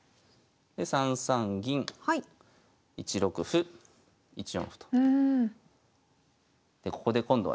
で３三銀１六歩１四歩と。